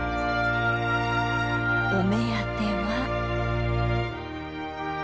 お目当ては。